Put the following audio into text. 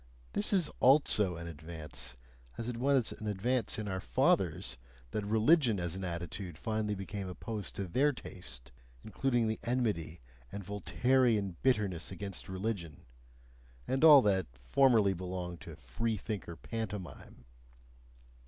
This is ALSO an advance, as it was an advance in our fathers that religion as an attitude finally became opposed to their taste, including the enmity and Voltairean bitterness against religion (and all that formerly belonged to freethinker pantomime).